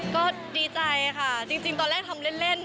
ก็ดีใจค่ะจริงตอนแรกทำเล่น